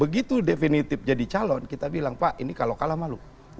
begitu definitif jadi calon kita bilang pak ini kalau kalah malu udah gak usah dibantu